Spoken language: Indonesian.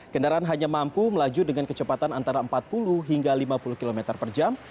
kendaraan hanya mampu melaju dengan kecepatan antara empat puluh hingga lima puluh km per jam